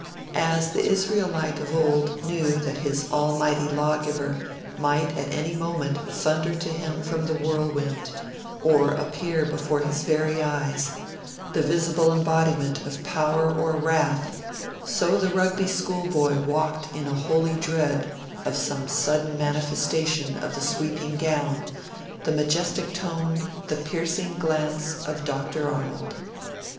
As the Israelite of old knew that his almighty Lawgiver might at any moment thunder to him from the whirlwind, or appear before his very eyes, the visible embodiment of power or wrath, so the Rugby schoolboy walked in a holy dread of some sudden manifestation of the sweeping gown, the majestic tone, the piercing glance, of Dr. Arnold.